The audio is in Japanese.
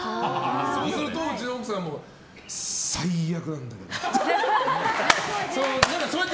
そうすると、うちの奥さんも最悪なんだけど！